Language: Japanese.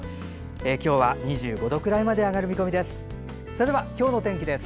今日は２５度くらいまで上がる見込みです。